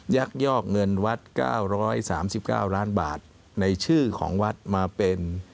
ักยอกเงินวัด๙๓๙ล้านบาทในชื่อของวัดมาเป็น